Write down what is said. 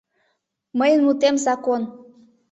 Мыйын мутем - закон!